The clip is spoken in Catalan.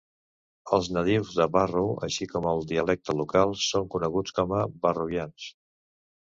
Els nadius de Barrow, així com el dialecte local, són coneguts com a barrovians.